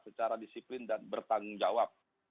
secara disiplin dan bertanggung jawab